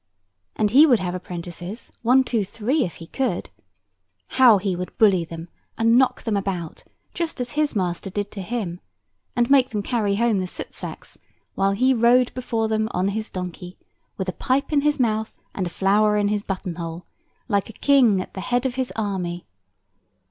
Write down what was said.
And he would have apprentices, one, two, three, if he could. How he would bully them, and knock them about, just as his master did to him; and make them carry home the soot sacks, while he rode before them on his donkey, with a pipe in his mouth and a flower in his button hole, like a king at the head of his army.